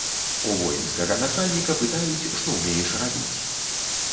У воінскага начальніка пытаюць, што ўмееш рабіць.